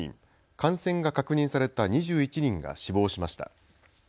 感染が確認された２１人が死亡しました。